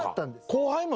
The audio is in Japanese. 後輩も？